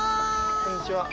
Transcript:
こんにちは。